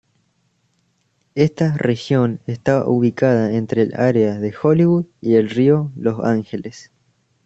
Esta región está ubicada entre el área de Hollywood y el río Los Ángeles.